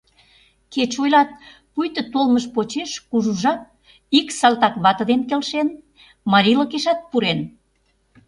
Кеч ойлат, пуйто толмыж почеш кужу жап ик салтак вате дене келшен, марийлыкешат пурен.